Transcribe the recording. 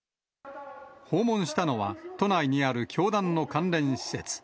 訪問したのは、都内にある教団の関連施設。